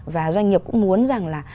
và doanh nghiệp cũng muốn rằng là